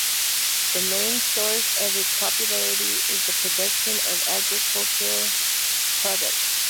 The main source of its popularity is the production of agricultural products.